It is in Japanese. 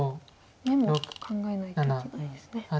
眼も考えないといけないですね。